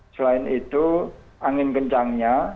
selain itu angin kencangnya